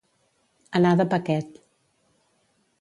Anar de paquet.